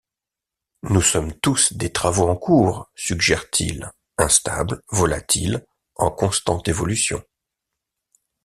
Nous sommes tous des travaux en cours, suggère-t-il, instables, volatils, en constante évolution.